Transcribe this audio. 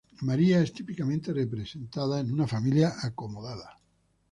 María es típicamente representada en una familia acomodada.